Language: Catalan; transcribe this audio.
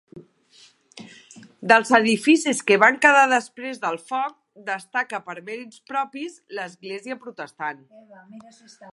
Dels edificis que van quedar després del foc destaca per mèrits propis l'església protestant.